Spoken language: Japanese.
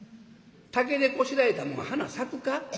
竹でこしらえたもんが花咲くか」。